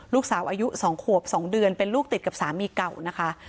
ลูกสาวอายุ๒ขวบ๒เดือนเป็นลูกติดกับสามีเก่านะคะ